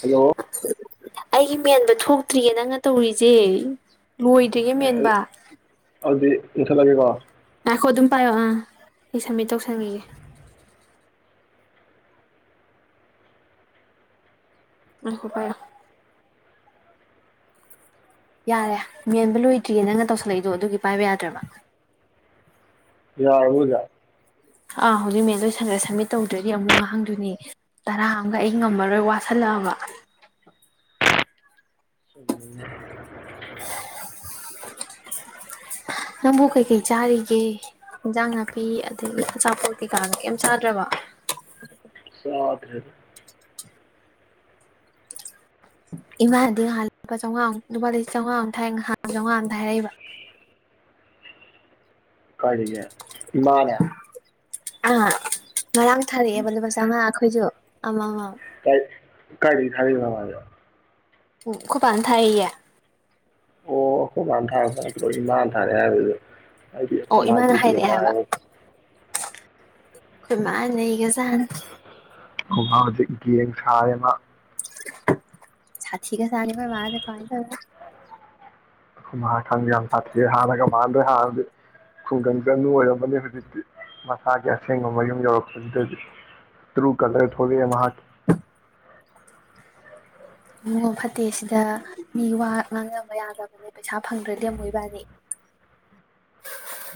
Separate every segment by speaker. Speaker 1: hello
Speaker 2: ꯑꯩꯒꯤ ꯃꯦꯟꯕ ꯊꯣꯛꯇ꯭ꯔꯤꯌꯦ ꯅꯪꯅ ꯇꯧꯔꯤꯖꯦ ꯂꯣꯏꯗ꯭ꯔꯤꯌꯦ
Speaker 1: ꯑꯩ
Speaker 2: ꯃꯦꯟꯕ
Speaker 1: ꯑꯗꯨꯗꯤ ꯃꯨꯊꯠꯂꯒꯦꯀꯣ
Speaker 2: ꯉꯥꯏꯈꯣ ꯑꯗꯨꯝ ꯄꯥꯏꯑꯣ ꯑꯥ ꯑꯩ ꯁꯝꯃꯤꯠ ꯇꯧꯁꯟꯒꯤꯒꯦ ꯉꯏꯈꯣ ꯄꯥꯏꯌꯣ ꯌꯥꯔꯦ ꯃꯦꯟꯕ ꯂꯣꯏꯗ꯭ꯔꯤꯌꯦ ꯅꯪꯅ ꯇꯧꯁꯜꯂꯛꯏꯗꯣ ꯑꯗꯨꯒꯤ ꯄꯥꯏꯕ ꯌꯥꯗ꯭ꯔꯕ
Speaker 1: ꯌꯥꯔꯕꯣ ꯍꯣꯖꯤꯛ
Speaker 2: ꯑꯥ ꯍꯧꯖꯤꯛ ꯃꯦꯟ ꯂꯣꯏꯁꯟꯒ꯭ꯔꯦ ꯁꯝꯃꯤꯠ ꯇꯧꯗ꯭ꯔꯗꯤ ꯑꯃꯨꯛ ꯉꯥꯡꯗꯣꯏꯅꯦ ꯇꯔꯥ ꯑꯃꯒ ꯑꯩ ꯉꯝꯃꯔꯣꯏ ꯋꯥꯁꯜꯂꯛꯑꯕ
Speaker 1: [inaudible]
Speaker 2: ꯅꯪꯕꯨ ꯀꯩꯀꯩ ꯆꯥꯔꯤꯒꯦ ꯏꯟꯖꯥꯡ ꯅꯥꯄꯤ ꯑꯗꯒꯤ ꯑꯆꯥꯄꯣꯠ ꯀꯩꯀꯥꯒ ꯀꯩꯝ ꯆꯥꯗ꯭ꯔꯕꯣ
Speaker 1: [unintelligible]
Speaker 2: ꯏꯃꯥꯅꯗꯤ ꯅꯍꯥꯟ ꯂꯨꯄꯥ ꯆꯝꯉꯥꯃꯨꯛ ꯂꯨꯄꯥ ꯂꯤ ꯆꯝꯉꯥꯃꯨꯛ ꯊꯥꯏ ꯅꯍꯥꯟ ꯆꯝꯉꯥꯃ ꯊꯥꯏ ꯍꯥꯢꯔꯛꯏꯕ
Speaker 1: ꯀꯥꯏꯗꯒꯤ ꯏꯃꯥꯅ
Speaker 2: ꯑꯥ ꯉꯔꯥꯡ ꯊꯥꯔꯛꯑꯦꯕ ꯂꯨꯄꯥ ꯆꯧꯉꯥ ꯑꯩꯈꯣꯏꯁꯨ ꯑꯃ ꯃꯝ
Speaker 1: ꯀꯥꯏ ꯀꯥꯏꯗꯩ ꯊꯔꯛꯏꯅꯣ ꯃꯥꯗꯤ
Speaker 2: ꯎ ꯈꯣꯏ ꯄꯥꯅ ꯊꯥꯏꯌꯦꯌꯦ
Speaker 1: [unintelligible] ꯍꯥꯏꯗꯤꯥ
Speaker 2: ꯑꯣ
Speaker 1: ꯈꯣꯏ ꯃꯥ
Speaker 2: ꯏꯃꯥꯅ
Speaker 1: ꯒꯤꯄꯦ
Speaker 2: ꯍꯥꯏꯔꯛꯑꯦ
Speaker 1: ꯑꯝꯇ ꯍꯥꯏꯔꯛꯑꯣ
Speaker 2: ꯑꯩꯈꯣꯏꯃꯥ ꯅꯩꯒ꯭ꯔꯖꯅꯤ
Speaker 1: ꯈꯣꯅꯥꯎ ꯍꯧꯖꯤꯛ ꯒꯦꯡ ꯁꯥꯔꯦ ꯃꯥ
Speaker 2: ꯁꯥꯊꯤꯒ꯭ꯔꯖꯥꯠꯅꯤ ꯈꯣꯏ ꯃꯥꯁꯦ ꯀꯃꯥꯏꯇꯧꯕ
Speaker 1: ꯑꯣꯏ ꯃꯥ ꯈꯪꯗꯦ ꯌꯥꯝ ꯁꯥꯊꯤꯑꯦ ꯍꯥꯟꯅꯒ ꯃꯅꯗ꯭ꯔꯦ ꯍꯥꯟꯅꯗꯤ ꯈꯨꯡꯒꯪ ꯆꯅꯨ ꯑꯣꯏꯔꯝꯕꯅꯤ ꯍꯧꯖꯤꯛꯇꯤ ꯃꯁꯥꯒꯤ ꯑꯁꯦꯡꯕ ꯃꯌꯨꯝ ꯌꯧꯔꯛꯄꯁꯤꯗꯗꯤ ꯇ꯭ꯔꯨ ꯀꯂꯔ ꯊꯣꯛꯂꯛꯑꯦ ꯃꯨꯛ ꯍꯥꯏ
Speaker 2: ꯏꯕꯨꯉꯣ ꯐꯠꯇꯦꯁꯤꯗ ꯃꯤꯋꯥ ꯉꯥꯡꯅꯕ ꯌꯥꯗꯕꯅꯦ ꯄꯩꯁꯥ ꯐꯪꯗ꯭ꯔꯗꯤ ꯑꯃꯨꯛ ꯏꯕꯅꯤ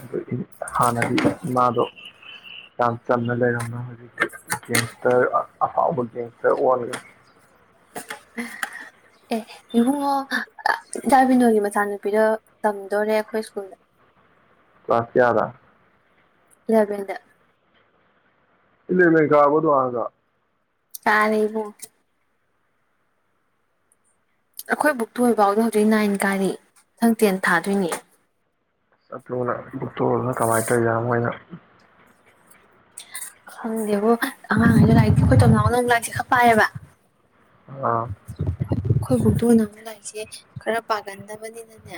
Speaker 1: ꯑꯗꯨ ꯍꯥꯟꯅꯗꯤ ꯏꯃꯥꯗꯣ ꯌꯥꯝ ꯆꯝꯅ ꯂꯩꯔꯝꯃ ꯍꯧꯖꯤꯛꯇꯤ ꯒꯦꯡꯁꯇꯔ ꯑ ꯑꯐꯥꯎꯕ ꯒꯦꯡꯁꯇꯔ ꯑꯣꯟꯒ꯭ꯔꯦ
Speaker 2: ꯑꯦ ꯏꯕꯨꯡꯉꯣ ꯏꯆꯥꯟꯕꯤꯅꯣꯒꯤ ꯃꯆꯥꯅꯨꯄꯤꯗꯣ ꯇꯝꯗꯣꯔꯦ ꯑꯩꯈꯣꯏ ꯁ꯭ꯀꯨꯜꯗ
Speaker 1: ꯀ꯭ꯂꯥꯁ ꯀꯌꯥꯗ
Speaker 2: ꯏꯂꯕꯦꯟꯗ
Speaker 1: ꯏꯂꯚꯦꯟ ꯀꯥꯔꯕꯣ ꯑꯗꯨ ꯑꯉꯥꯡꯗꯣ
Speaker 2: ꯀꯥꯔꯦ ꯏꯕꯨꯡꯉꯣ ꯑꯩꯈꯣꯏ ꯕꯨꯛꯇꯣ ꯍꯣꯏꯕꯥꯎꯗ ꯍꯧꯖꯤꯛ ꯅꯥꯏꯟ ꯀꯥꯔꯦ ꯃꯊꯪ ꯇꯦꯟ ꯊꯥꯗꯣꯏꯅꯦ
Speaker 1: [unintelligible]
Speaker 2: ꯈꯪꯗꯦꯕꯣ ꯑꯉꯥꯡꯉꯩꯗꯣ ꯂꯥꯏꯔꯤꯛ ꯑꯩꯈꯣꯏ ꯇꯣꯝꯅꯥꯥꯎꯅ ꯂꯥꯏꯂꯤꯛꯁꯦ ꯈꯔ ꯄꯥꯏꯌꯦꯕ
Speaker 1: ꯑꯥ
Speaker 2: ꯑꯩꯈꯣꯏ ꯕꯣꯛꯇꯣ ꯅꯝꯃꯝꯗꯥꯏꯁꯦ ꯈꯔ ꯄꯥꯒꯟꯗꯕꯅꯤꯅꯅꯦ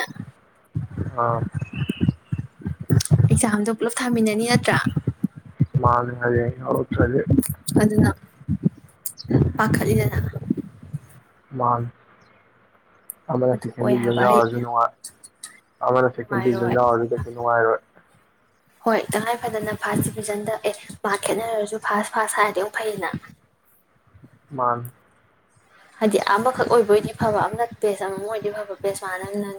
Speaker 1: ꯑꯥ
Speaker 2: ꯑꯦꯛꯖꯥꯝꯗꯣ ꯄꯨꯂꯞ ꯊꯥꯃꯤꯟꯅꯅꯤ ꯅꯠꯇ꯭ꯔ
Speaker 1: [unintelligible] ꯌꯥꯎꯔꯛꯇ꯭ꯔꯗꯤ
Speaker 2: [inaudible] ꯄꯥꯡꯈꯠꯂꯤꯗꯅ
Speaker 1: ꯃꯥꯜ ꯑꯃꯅ
Speaker 2: ꯑꯗꯨ
Speaker 1: ꯁꯦꯀꯦꯟ
Speaker 2: ꯑꯣꯏ
Speaker 1: ꯗꯤꯕꯤꯖꯟ
Speaker 2: ꯍꯥꯏꯕ ꯑꯩ
Speaker 1: ꯌꯥꯎꯔꯖꯨ ꯅꯨꯡꯉ ꯑꯃꯅ ꯁꯦꯀꯦꯟ ꯗꯤꯕꯤꯖꯟ
Speaker 2: ꯅꯨꯡꯉꯥꯏꯔꯣꯏ
Speaker 1: ꯌꯥꯎꯔꯖꯨ ꯀꯩꯁꯨ ꯅꯨꯡꯉꯥꯏꯔꯣꯏ
Speaker 2: ꯍꯣꯏ ꯇꯉꯥꯏ ꯐꯗꯅ ꯐꯥꯔꯁ ꯗꯤꯚꯤꯖꯟꯗ ꯑꯦ ꯃꯥꯛ ꯈꯦꯠꯅꯔꯁꯨ ꯐꯥꯥꯁ ꯐꯥꯁ ꯍꯥꯏꯔꯗꯤ ꯑꯃꯨꯛ ꯐꯩꯗꯅ
Speaker 1: ꯃꯥꯥꯟ
Speaker 2: ꯍꯥꯏꯗꯤ ꯑꯃꯈꯛ ꯑꯣꯏꯕꯣꯏꯗꯤ ꯐꯕ ꯑꯃꯅ ꯄꯦꯁ ꯑꯃꯃꯝ ꯑꯣꯏꯗꯤ ꯐꯕ ꯄꯦꯁ ꯃꯅꯗꯝꯅꯤꯅ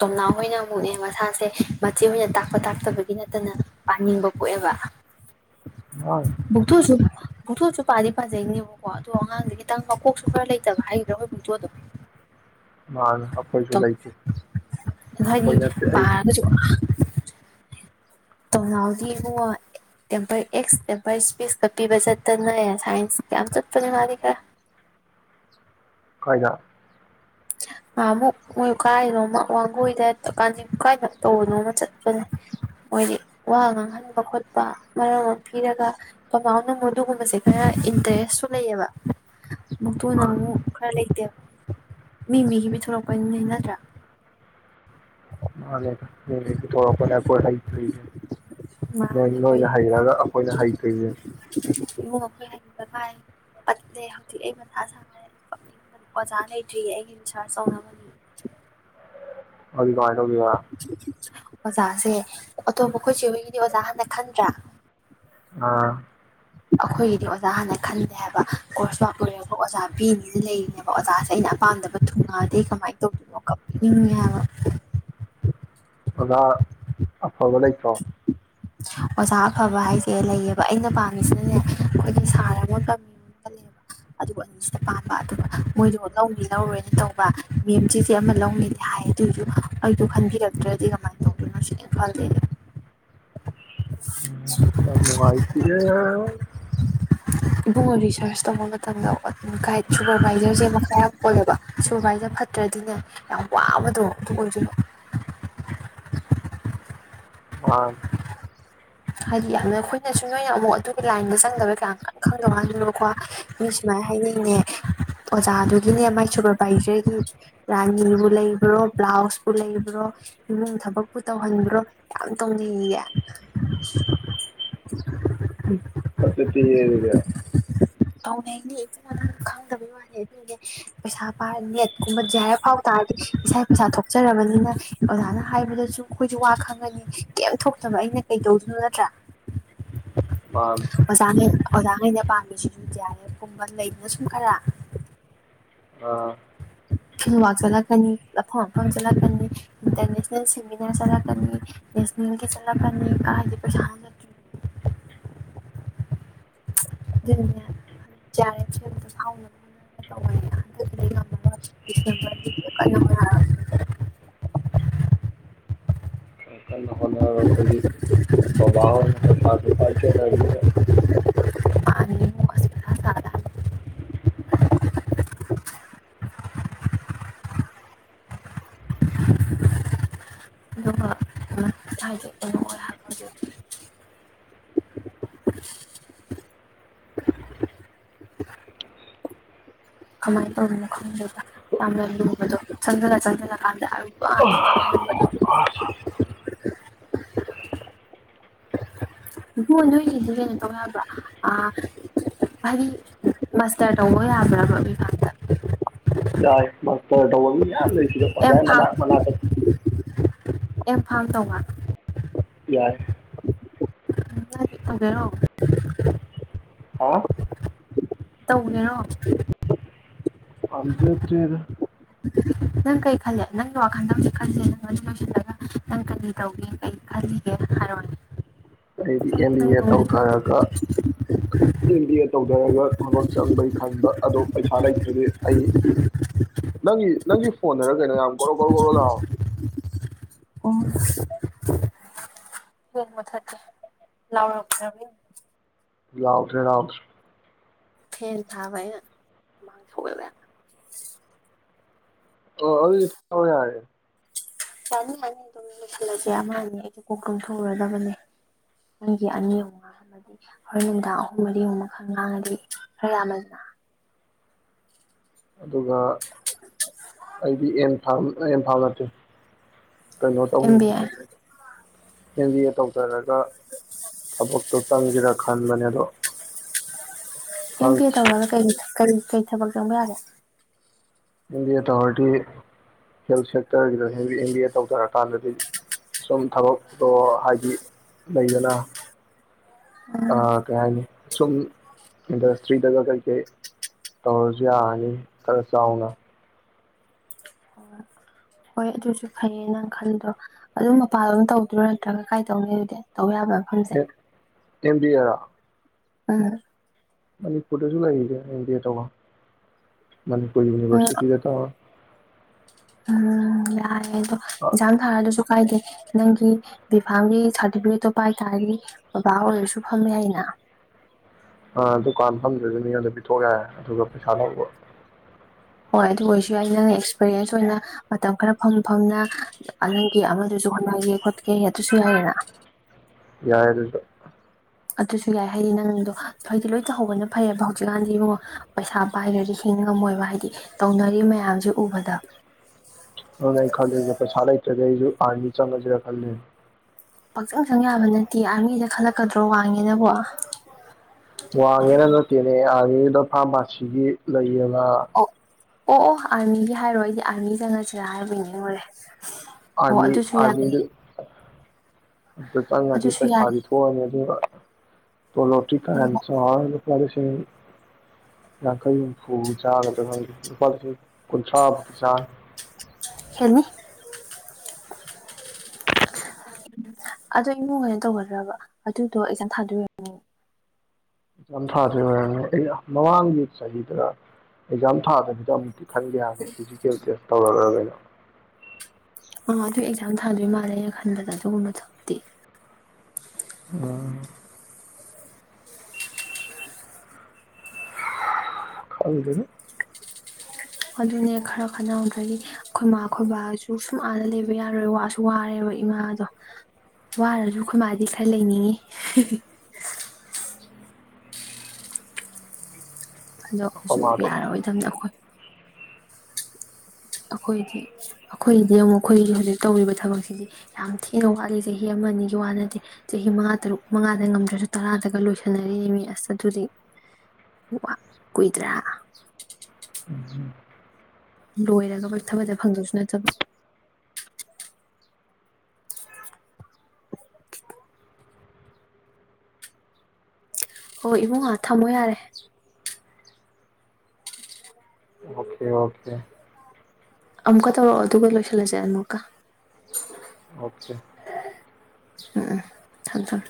Speaker 2: ꯇꯣꯝꯅꯥꯎ ꯍꯣꯏꯅ ꯑꯃꯨꯛꯅꯦ ꯃꯁꯥꯁꯦ ꯃꯆꯦ ꯍꯣꯏꯅ ꯇꯥꯛꯄ ꯇꯥꯛꯇꯕꯒꯤ ꯅꯠꯇꯅ ꯄꯥꯅꯤꯡꯕ ꯄꯣꯛꯑꯦꯕ
Speaker 1: ꯃꯥꯜ
Speaker 2: ꯕꯨꯛꯇꯣꯁꯨ ꯕꯨꯛꯇꯣꯁꯨ ꯄꯥꯗꯤ ꯄꯥꯖꯩꯅꯦꯕꯀꯣ ꯑꯗꯣ ꯑꯉꯥꯡꯁꯦ ꯈꯤꯇꯪ ꯃꯀꯣꯛꯁꯨ ꯈꯔ ꯂꯩꯇꯕ ꯍꯥꯏꯒꯗ꯭ꯔ ꯈꯣꯏ ꯕꯨꯡꯆꯣꯗꯣ
Speaker 1: ꯃꯥꯜ ꯑꯩꯈꯣꯏꯁꯨ
Speaker 2: ꯇꯣꯛ
Speaker 1: ꯂꯩꯇꯦ
Speaker 2: ꯍꯥꯏꯗꯤ
Speaker 1: ꯑꯩꯈꯣꯏ ꯅꯠꯇꯦ ꯑꯩ
Speaker 2: ꯄꯥꯔꯒꯁꯨ ꯇꯣꯝꯅꯥꯎꯗꯤ ꯏꯕꯨꯉꯣ ꯇꯦꯝꯄꯔ ꯑꯦꯛꯁ ꯇꯦꯝꯄꯔ ꯁ꯭ꯄꯤꯁꯀ ꯄꯤꯕ ꯆꯠꯇꯅ ꯁꯥꯏꯟꯁ ꯀ ꯌꯥꯝ ꯆꯠꯄꯅꯦ ꯃꯥꯗꯤ ꯈꯔ
Speaker 1: ꯀꯥꯏꯗ
Speaker 2: ꯅꯍꯥꯟꯃꯨꯛ ꯃꯣꯏ ꯀꯥꯏꯅꯣꯃ ꯋꯥꯡꯒꯣꯏꯗ ꯀ ꯀꯥꯏꯅ ꯇꯧꯕꯅꯣꯃ ꯆꯠꯄꯅꯦ ꯃꯣꯏꯗꯤ ꯋꯥ ꯉꯥꯡꯍꯟꯕ ꯈꯣꯠꯄ ꯃꯔꯝ ꯑꯃ ꯄꯤꯔꯒ ꯄꯝꯅꯥꯎꯅꯅꯨꯡ ꯑꯗꯨꯒꯨꯝꯕꯁꯦ ꯈꯔ ꯏꯟꯇꯔꯦꯁꯁꯨ ꯂꯩꯌꯦꯕ ꯃꯨꯛꯊꯣ
Speaker 1: ꯃꯥꯜ
Speaker 2: ꯅꯪꯕꯨ ꯈ꯭ꯔꯥ ꯂꯩꯇꯦ ꯃꯤ ꯃꯤꯒꯤ ꯄꯤꯊꯣꯔꯛꯄ ꯅꯤꯅꯦ ꯅꯠꯇ꯭ꯔꯥ
Speaker 1: ꯃꯥꯅꯦ ꯃꯤ ꯃꯤ ꯄꯤꯊꯣꯔꯛꯄꯅꯦ ꯑꯩꯈꯣꯏ ꯍꯩꯇ꯭ꯔꯤꯁꯦ
Speaker 2: ꯃꯥꯅ
Speaker 1: ꯃꯣꯏ
Speaker 2: ꯑꯩꯈꯣꯏ
Speaker 1: ꯃꯣꯏꯅ ꯍꯩꯔꯒ ꯑꯩꯈꯣꯏꯅ ꯍꯩꯇ꯭ꯔꯤꯁꯦ
Speaker 2: ꯑꯗꯨꯗꯤ ꯑꯩ ꯍꯧꯖꯥꯛ ꯃꯊꯥ ꯁꯥꯔꯦ ꯀꯞ ꯅꯤꯡꯕꯅ ꯑꯣꯖꯥ ꯂꯩꯏꯇꯔꯤ ꯌꯦ ꯑꯩꯒꯤ ꯔꯤꯁ꯭ꯔꯁ ꯊꯧꯅꯕ
Speaker 1: ꯑꯗꯨꯗꯤ ꯀꯃꯥꯏ ꯇꯧꯗꯣꯏꯕ
Speaker 2: ꯑꯣꯖꯥꯁꯦ ꯑꯇꯣꯞꯄ ꯑꯩꯈꯣꯏ ꯆꯦ ꯍꯣꯏꯒꯤꯗꯤ ꯑꯣꯖꯥ ꯍꯥꯟꯅ ꯈꯟꯗ꯭ꯔꯥ
Speaker 1: ꯑꯥ
Speaker 2: ꯑꯩꯈꯣꯏꯒꯤꯗꯤ ꯑꯣꯖꯥ ꯍꯥꯟꯅ ꯈꯟꯂꯦ ꯍꯥꯏꯕ ꯀꯣꯔꯁꯃꯛ ꯑꯣꯏꯔꯒ ꯑꯣꯖꯥ ꯄꯤꯅꯤꯅ ꯂꯩꯔꯤꯅꯦꯕ ꯑꯣꯖꯥꯁꯦ ꯑꯩꯅ ꯑꯄꯥꯝꯗꯕ ꯊꯨꯡꯉꯛꯑꯗꯤ ꯀꯃꯥꯏꯅ ꯇꯧꯗꯣꯏꯅꯣ ꯀꯞꯅꯤꯡꯉꯦ ꯍꯥꯏꯕ
Speaker 1: ꯑꯣꯖꯥ ꯑꯐꯕ ꯂꯩꯇ꯭ꯔꯣ
Speaker 2: ꯑꯣꯖꯥ ꯑꯐꯕ ꯍꯥꯏꯁꯦ ꯂꯩꯌꯦꯕ ꯑꯩꯅ ꯄꯥꯝꯃꯤꯁꯤꯅꯅꯦ ꯑꯩꯈꯣꯏꯒꯤ ꯁꯥꯔ ꯑꯃ ꯊꯝꯃꯦꯕ ꯑꯗꯨꯒ ꯃꯣꯏꯗꯣ ꯂꯧꯅꯤ ꯂꯧꯔꯣꯏꯗꯤ ꯇꯧꯕ ꯃꯦꯝ ꯆꯦꯁꯦ ꯑꯃ ꯂꯧꯅꯤꯗꯤ ꯍꯥꯏ ꯑꯗꯨꯁꯨ ꯑꯩꯗꯣ ꯈꯟꯕꯤꯔꯛꯇ꯭ꯔꯗꯤ ꯀꯃꯥꯏꯅ ꯇꯧꯗꯣꯏꯅꯣ ꯁꯤꯅꯤ ꯑꯩꯅꯥ ꯈꯜꯂꯤꯅꯦ
Speaker 1: ꯎꯝ ꯌꯥꯝ ꯅꯨꯉꯥꯏꯇꯤꯌꯦ
Speaker 2: ꯏꯕꯨꯡꯉꯣ ꯔꯤꯁꯔꯁ ꯇꯧꯕ ꯃꯇꯝꯗ ꯒꯥꯏꯠ ꯁꯨꯄꯔꯚꯥꯏꯖꯔꯁꯦ ꯃꯈꯥ ꯌꯥꯝ ꯄꯣꯜꯂꯦꯕ ꯁꯨꯄꯔꯚꯥꯏꯖꯔ ꯐꯠꯇ꯭ꯔꯗꯤꯅꯦ ꯌꯥꯝ ꯋꯥꯕꯗꯣ ꯑꯗꯨ ꯑꯣꯏꯗꯣꯏꯕ
Speaker 1: ꯃꯥꯅꯦ
Speaker 2: ꯍꯥꯏꯗꯤ ꯌꯥꯝꯅ ꯑꯩꯈꯣꯏꯅꯁꯨ ꯅꯣꯏꯅ ꯑꯃꯨꯛ ꯑꯗꯨꯒꯤ ꯂꯥꯏꯟꯗ ꯆꯪꯗꯕ ꯀꯌꯥ ꯀꯟ ꯈꯪꯗꯧ ꯃꯥꯟꯗꯕꯀꯣ ꯃꯤ ꯁꯨꯃꯥꯏꯅ ꯍꯥꯏꯅꯩꯅꯦ ꯑꯣꯖꯥꯗꯨꯒꯤꯅꯦ ꯃꯥꯏ ꯁꯨꯄꯔꯚꯥꯏꯖꯔꯒꯤ ꯔꯥꯅꯤꯕꯨ ꯂꯩꯕ꯭ꯔꯣ ꯕ꯭ꯂꯥꯎꯖꯄꯨ ꯂꯩꯕ꯭ꯔꯣ ꯏꯃꯨꯡ ꯊꯕꯛꯄꯨ ꯇꯧꯍꯟꯕ꯭ꯔꯣ ꯌꯥꯝ ꯇꯧꯅꯤꯡꯉꯌꯦ [inaudible]
Speaker 1: ꯐꯖꯗꯦꯍꯦ ꯑꯗꯨꯗꯤ
Speaker 2: ꯇꯧꯅꯤꯡꯗꯦ ꯏꯕꯨꯡꯉꯣ ꯅꯪ ꯈꯪꯗꯕꯒꯤ ꯋꯥꯅꯦ ꯄꯩꯁꯥ ꯄꯥꯏꯔꯗꯤꯅꯦ ꯀꯨꯝꯃꯖꯦ ꯍꯥꯏꯔ ꯐꯥꯎ ꯇꯥꯔꯒꯗꯤ ꯏꯁꯥꯅ ꯄꯩꯁꯥ ꯊꯣꯛꯆꯔꯕꯅꯤꯅ ꯑꯣꯖꯥꯅ ꯍꯥꯏꯕꯗꯁꯨ ꯑꯩꯈꯣꯏ ꯋꯥ ꯈꯪꯉꯅꯤ ꯀꯩꯝ ꯊꯣꯛꯇꯕ ꯑꯩꯅ ꯀꯩ ꯗꯧꯗꯣꯏꯅꯣ ꯅꯠꯇ꯭ꯔꯥ
Speaker 1: ꯃꯥꯟ
Speaker 2: ꯄꯩꯁꯥ ꯂꯩ ꯑꯣꯖꯥ ꯑꯩꯅ ꯄꯥꯝꯃꯤꯁꯤꯁꯨꯨ ꯗꯤ ꯑꯥꯔ ꯑꯦꯐ ꯀꯨꯝꯕ ꯂꯩꯗꯅ ꯁꯨꯝ ꯈꯔꯥ
Speaker 1: ꯑꯥ
Speaker 2: ꯐꯤꯋꯥꯛ ꯆꯠꯂꯛꯀꯅꯤ ꯃꯐꯝ ꯃꯐꯝ ꯆꯠꯂꯛꯀꯅꯤ ꯏꯟꯇꯔꯅꯦꯁꯅꯦꯜ ꯁꯦꯃꯤꯅꯥꯔ ꯆꯠꯂꯛꯀꯅꯤ ꯅꯦꯁꯅꯦꯜꯒꯤ ꯆꯠꯂꯛꯀꯅꯤ ꯀꯥꯏꯗꯩꯩ ꯄꯩꯁꯥꯅ ꯆꯠꯇꯣꯏꯅꯣ [unintelligible]
Speaker 1: ꯈꯔ ꯀꯟꯅ ꯍꯣꯠꯅꯔꯣ ꯑꯩꯈꯣꯏꯗꯤ ꯕꯥꯕꯥ ꯍꯣꯏꯅ ꯄꯩꯁꯥꯁꯨ ꯄꯥꯏꯖꯗꯕꯅꯤꯅ
Speaker 2: ꯄꯥꯍꯟꯅꯤꯡꯉꯨ ꯑꯁ ꯃꯊꯥ ꯁꯥꯗ [unintelligible] [inaudible] ꯀꯃꯥꯏꯅ ꯇꯧꯔꯤꯅꯣ ꯈꯪꯗꯦꯕ ꯌꯥꯝꯅ ꯂꯨꯕꯗꯣ ꯆꯪꯁꯤꯜꯂ ꯆꯪꯁꯤꯜꯂ ꯀꯥꯟꯗ ꯑꯔꯨꯕ ꯉꯥꯛꯇ ꯑꯣꯏ ꯂꯩꯔꯝꯕꯗꯣ ꯂꯨꯈꯤꯏ ꯅꯣꯏꯒꯤꯗꯤ ꯀꯩꯅꯣ ꯇꯧ ꯌꯥꯕ꯭ꯔꯥ ꯑꯥ ꯍꯥꯏꯗꯤ ꯃꯁꯇꯔ ꯇꯧꯕ ꯌꯥꯕ꯭ꯔꯕ
Speaker 1: ꯌꯥꯏ ꯃꯁꯇꯔ ꯊꯧꯕ ꯃꯤ ꯌꯥꯝ ꯂꯩ [unintelligible]
Speaker 2: ꯑꯦꯝꯐꯥꯜ ꯇꯧꯉꯥ
Speaker 1: ꯌꯥꯏ
Speaker 2: ꯇꯧꯒꯦꯔꯣ
Speaker 1: ꯍꯥ
Speaker 2: ꯇꯧꯒꯦꯔꯣ
Speaker 1: ꯄꯥꯝꯖꯗꯔ꯭ꯦꯗ
Speaker 2: ꯅꯪ ꯀꯔꯤ ꯈꯜꯂꯦ ꯅꯪꯒꯤ ꯋꯥꯈꯜꯗ ꯍꯧꯖꯤꯛ ꯈꯜꯂꯤꯁꯦ ꯅꯪ ꯑꯗꯨ ꯂꯣꯏꯁꯤꯜꯂꯒ ꯅꯪ ꯀꯔꯤ ꯇꯧꯒꯦ ꯀꯔꯤ ꯈꯜꯂꯤꯒꯦ ꯍꯥꯏꯔꯣꯅꯦ
Speaker 1: ꯑꯩꯗꯤ
Speaker 2: ꯁꯨꯝ
Speaker 1: ꯑꯦꯝ ꯕꯤ
Speaker 2: ꯅꯪ
Speaker 1: ꯑꯦ
Speaker 2: ꯇꯧꯅꯤꯡꯕꯗꯣ
Speaker 1: ꯇꯧꯊꯔꯒ ꯑꯦꯝ ꯕꯤ ꯑꯦ ꯇꯧꯊꯔꯒ ꯊꯕꯛ ꯆꯪꯕꯩ ꯈꯟꯕ ꯑꯗꯣ ꯄꯩꯁꯥ ꯂꯩꯇ꯭ꯔꯗꯤ ꯑꯩ ꯅꯪꯒꯤ ꯅꯪꯒꯤ ꯐꯣꯟꯗꯔ ꯀꯩꯅꯣ ꯌꯥꯝ ꯒꯣꯔꯣ ꯒꯣꯔꯣ ꯒꯣꯔꯣ ꯂꯥꯎꯋꯦ
Speaker 2: ꯑꯣ ꯐꯦꯟ ꯃꯨꯊꯠꯀꯦ ꯂꯥꯎꯕ ꯐꯔꯕ ꯌꯦꯡꯉꯣ
Speaker 1: ꯂꯥꯎꯗ꯭ꯔꯦ ꯂꯥꯎꯗ꯭ꯔꯦ
Speaker 2: ꯐꯦꯟ ꯊꯥꯕꯥ ꯑꯩꯅꯥ ꯍꯨꯃꯥꯡ ꯁꯧꯋꯦꯕ ꯌꯥꯝꯅꯥ
Speaker 1: [unintelligible]
Speaker 2: ꯌꯥꯅꯤ ꯌꯥꯅꯤ ꯑꯗꯨꯝ ꯂꯣꯏꯁꯤꯜꯂꯁꯦ ꯑꯃꯅꯦ ꯑꯩꯁꯨ ꯀꯣꯛ ꯇꯨꯝꯊꯣꯛꯎꯔꯗꯕꯅꯦ ꯃꯤꯒꯤ ꯑꯅꯤ ꯑꯍꯨꯝ ꯉꯥꯡꯉꯗꯤ ꯍꯣꯔꯦꯟ ꯅꯨꯡꯗꯥꯡ ꯑꯍꯨꯝ ꯃꯔꯤ ꯑꯃꯒ ꯉꯥꯡꯉꯗꯤ ꯈꯔ ꯌꯥꯝꯃꯦꯅ
Speaker 1: ꯑꯗꯨꯒ ꯑꯩꯗꯤ ꯑꯦꯝ [unintelligible] ꯀꯩꯅꯣ ꯇꯧ
Speaker 2: M B A
Speaker 1: M B ꯌꯦ ꯇꯧꯊꯔꯒꯦ ꯊꯕꯛꯇꯣ ꯆꯪꯒꯦꯔꯥ ꯈꯟꯕꯅꯦ ꯑꯗꯣ
Speaker 2: ꯑꯦꯝ ꯕꯤ ꯑꯦ
Speaker 1: ꯈꯪꯗ꯭ꯔꯤ
Speaker 2: ꯇꯧꯔꯒ ꯀꯩ ꯀꯔꯤ ꯀꯩ ꯊꯕꯛ ꯆꯪꯕ ꯌꯥꯒꯦ
Speaker 1: ꯑꯦꯝ ꯕꯤ ꯌꯦ ꯇꯧꯔꯗꯤ ꯍꯦꯜ ꯁꯛꯇꯔꯒ ꯅꯪꯁꯨ ꯑꯦꯝ ꯕꯤ ꯌꯦ ꯇꯧꯊꯔꯣ ꯇꯥꯟꯗꯗꯤ ꯁꯨꯝ ꯊꯕꯛꯇꯣ ꯍꯥꯏꯗꯤ ꯂꯩꯗꯅ ꯑꯥ ꯀꯩ ꯍꯥꯏꯅꯦ ꯁꯨꯝ ꯏꯟꯗꯁꯇ꯭ꯔꯤꯗꯒ ꯀꯩ ꯀꯩ ꯇꯧꯔꯁꯨ ꯌꯥꯔꯅꯤ ꯈꯔ ꯆꯥꯎꯅ
Speaker 2: ꯑꯣ ꯍꯣꯏ ꯑꯗꯨꯁꯨ ꯐꯩꯌꯦ ꯅꯪ ꯈꯜꯂꯤꯗꯣ ꯑꯗꯨꯝ ꯃꯄꯥꯟꯂꯣꯝ ꯇꯧꯗꯣꯏꯔ ꯅꯠꯇ꯭ꯔꯒ ꯀꯥꯏ ꯇꯧꯅꯤ ꯑꯗꯨꯗꯤ ꯇꯧ ꯌꯥꯕ ꯃꯐꯝꯁꯦ
Speaker 1: [unintelligible]
Speaker 2: ꯎꯡ
Speaker 1: ꯃꯅꯤꯄꯨꯔꯗꯁꯨ ꯂꯩꯗ ꯑꯦꯝ ꯗꯤ ꯌꯦ ꯇꯧꯕꯝ ꯃꯅꯤꯄꯨꯔ
Speaker 2: ꯎꯝ
Speaker 1: ꯌꯨꯅꯤꯚꯔꯁꯤꯇꯤꯗ ꯇꯧꯔꯣ
Speaker 2: ꯎꯝ ꯌꯥꯏꯌꯦ ꯏꯛꯖꯥꯝ ꯊꯥꯅꯗ꯭ꯔꯁꯨ ꯀꯥꯏꯗꯦ ꯅꯪꯒꯤ ꯗꯤꯐꯥꯝꯒꯤ ꯁꯥꯔꯇꯤꯐꯤꯀꯦꯠꯇꯣ ꯄꯥꯏꯇꯔꯗꯤ ꯕꯕꯥ ꯑꯣꯏꯔꯁꯨ ꯐꯝꯕ ꯌꯥꯏꯅ
Speaker 1: ꯑꯥ ꯗꯨꯀꯥꯟ ꯐꯝꯗ꯭ꯔꯁꯨ ꯃꯤꯉꯣꯟꯗ ꯄꯤꯊꯣꯛ ꯌꯥꯔꯦ ꯑꯗꯨꯒ ꯄꯩꯁꯥ ꯂꯧꯕ
Speaker 2: ꯍꯣꯏ ꯑꯗꯨ ꯑꯣꯏꯁꯨ ꯑꯩ ꯅꯪ ꯑꯦꯛꯁꯄꯤꯔꯤꯌꯦꯟꯁ ꯑꯣꯏꯅ ꯃꯇꯝ ꯈꯔ ꯐꯝ ꯐꯝꯅ ꯅꯪꯒꯤ ꯑꯃꯗꯨꯁꯨ ꯍꯣꯠꯅꯒꯦ ꯈꯣꯠꯀꯦ ꯑꯗꯨꯁꯨ ꯌꯥꯏꯗꯅ
Speaker 1: ꯌꯥꯏ ꯗꯨꯁꯨ
Speaker 2: ꯑꯗꯨꯁꯨꯅꯦ ꯍꯥꯏꯗꯤ ꯅꯪꯗꯣ ꯍꯥꯏꯗꯤ ꯂꯣꯏ ꯇꯧꯍꯧꯕꯅ ꯐꯩꯌꯦꯕ ꯍꯧꯖꯤꯛꯀꯥꯟꯗꯤ ꯏꯕꯨꯡꯉꯣ ꯄꯩꯁꯥ ꯄꯥꯏꯗ꯭ꯔꯗꯤ ꯍꯤꯡ ꯉꯝꯃꯣꯏꯕ ꯍꯥꯏꯗꯤ ꯇꯧꯅꯔꯤꯕ ꯃꯌꯥꯝꯁꯦ ꯎꯕꯗ
Speaker 1: ꯑꯗꯨꯅꯦ ꯑꯩꯅ ꯈꯜꯂꯤꯅꯦ ꯄꯩꯁꯥ ꯂꯩꯇ꯭ꯔꯗꯤ ꯑꯩꯁꯨ ꯑꯥꯔꯃꯤ ꯆꯡꯉꯁꯤꯔꯥ ꯈꯜꯂꯤꯅꯦ
Speaker 2: ꯄꯪꯆꯪꯪ ꯆꯪ ꯌꯥꯕ ꯅꯠꯇꯤꯌꯦ ꯑꯥꯔꯃꯤ ꯍꯦꯛꯇ ꯈꯜꯂꯛꯀꯗ꯭ꯔꯣ ꯋꯥꯡꯉꯦꯅꯕꯣ
Speaker 1: ꯋꯥꯡꯉꯦꯅ ꯅꯇꯦꯅꯦ ꯑꯥꯔ [unintelligible] ꯐꯥꯔꯃꯥꯁꯤꯒꯤ ꯂꯩꯌꯦ ꯕ
Speaker 2: ꯑꯣ ꯑꯣ ꯑꯥꯔꯃꯤꯒꯤ ꯍꯥꯏꯔꯣ ꯑꯩꯗꯤ ꯑꯥꯔꯃꯤ ꯆꯪꯉꯁꯤꯔꯥ ꯍꯥꯏꯕꯣꯏꯅꯤꯡꯉꯨꯔꯦ
Speaker 1: ꯑꯥꯔꯃꯤ ꯑꯥꯔꯃꯤꯗ ꯑꯝꯇ ꯆꯪꯉꯗꯤ
Speaker 2: ꯑꯗꯨꯁꯨ ꯌꯥꯏ
Speaker 1: ꯄꯩꯁꯥꯗꯤ ꯊꯣꯛꯑꯅꯤ ꯑꯗꯨꯒ ꯇꯣꯂꯣꯞꯇꯤ ꯐꯅꯥꯝ
Speaker 2: ꯎꯝ
Speaker 1: ꯆꯥꯎꯔꯅꯤ ꯂꯨꯄꯥ ꯂꯤꯁꯤꯡ ꯌꯥꯡꯈꯩ ꯍꯨꯝꯐꯨ ꯆꯥꯒꯗ꯭ꯔꯥ ꯈꯪꯗꯦ ꯂꯨꯄꯥ ꯂꯤꯁꯤꯡ ꯀꯨꯟꯊ꯭ꯔꯥꯃꯨꯛꯇꯤ ꯆꯥꯅꯤ
Speaker 2: ꯍꯦꯟꯅꯤ ꯑꯗꯣ ꯏꯃꯨꯡ ꯍꯣꯏꯅ ꯇꯧꯒꯗ꯭ꯔꯕ ꯑꯗꯨꯗꯣ ꯑꯦꯛꯖꯥꯝ ꯊꯥꯗꯣꯏ ꯑꯣꯏꯔꯝꯅꯤ
Speaker 1: ꯑꯦꯛꯖꯥꯝ ꯊꯥꯗꯣꯏ ꯑꯣꯏꯔꯝꯅꯤ ꯃꯃꯥꯡꯒꯤ ꯆꯍꯤꯗꯔ ꯑꯦꯛꯖꯥꯝ ꯊꯥꯗꯕꯤꯗ ꯑꯃꯨꯛꯇꯤ ꯈꯟꯗꯦ ꯍꯥꯏꯕꯅꯦ ꯐꯤꯖꯤꯀꯦꯜ ꯇꯦꯁ ꯇꯧꯔꯒꯅ [inaudible]
Speaker 2: ꯑꯥ ꯑꯗꯨ ꯑꯦꯛꯖꯥꯝ ꯊꯥꯗꯣꯏ ꯃꯥꯜꯂꯦ ꯑꯩꯅ ꯈꯟꯕꯗ ꯑꯗꯨꯒꯨꯝꯕ ꯊꯕꯛꯇꯤ
Speaker 1: ꯎꯝ ꯈꯪꯗꯦꯗ
Speaker 2: ꯑꯗꯨꯅꯦ ꯈꯔ ꯈꯟꯅꯍꯧꯗ꯭ꯔꯗꯒꯤ ꯑꯩꯈꯣꯏꯃꯥ ꯈꯣꯏꯕꯥꯁꯨ ꯁꯨꯡ ꯑꯥꯅ ꯂꯩꯕ ꯌꯥꯔꯣꯏ ꯋꯥꯁꯨ ꯋꯥꯔꯦꯕ ꯏꯃꯥꯗꯣ ꯋꯥꯔꯁꯨ ꯑꯩꯈꯣꯏ ꯃꯥꯥꯒꯤꯗꯤ ꯈꯔ ꯂꯩꯅꯤꯡꯉꯤ ꯍꯤ ꯍꯤ ꯑꯗꯣ ꯑꯩꯁꯨ ꯌꯥꯔꯛꯑꯣꯏꯗꯕꯅꯤꯅ ꯑꯩꯈꯣꯏ ꯑꯩꯈꯣꯏꯗꯤ ꯑꯩꯈꯣꯏꯒꯤꯗꯤ ꯑꯃꯨꯛ ꯑꯩꯈꯣꯏ ꯍꯧꯖꯤꯛ ꯇꯧꯔꯤꯕ ꯊꯕꯛꯁꯤꯗꯤ ꯌꯥꯝ ꯊꯤꯅ ꯋꯥꯠꯂꯤ ꯆꯍꯤ ꯑꯃ ꯑꯅꯤꯒꯤ ꯋꯥ ꯅꯠꯇꯦ ꯆꯍꯤ ꯃꯉꯥ ꯇꯔꯨꯛ ꯃꯉꯥꯗ ꯉꯝꯗ꯭ꯔꯁꯨ ꯇꯔꯥꯗꯒ ꯂꯣꯏꯁꯟꯅꯔꯤꯅꯤ ꯃꯤ ꯑꯁ ꯑꯗꯨꯗꯤ ꯀꯨꯏꯗ꯭ꯔꯥ ꯂꯣꯏꯔꯒꯕꯨꯣꯏ ꯊꯕꯛ ꯍꯦꯛꯇ ꯐꯪꯗꯣꯏꯁꯨ ꯅꯠꯇꯕ ꯍꯣꯏ ꯏꯕꯨꯉꯣ ꯊꯝꯃꯣ ꯌꯥꯔꯦ
Speaker 1: ꯑꯣꯀꯦ ꯑꯣꯀꯦ
Speaker 2: ꯑꯃꯨꯛꯀ ꯇꯧꯔꯛꯑꯣ ꯑꯗꯨꯒ ꯂꯣꯏꯁꯜꯂꯁꯦ ꯑꯃꯨꯛꯀ
Speaker 1: ꯑꯣꯀꯦ
Speaker 2: ꯎꯝ ꯊꯝꯃꯦ ꯊꯝꯃꯦ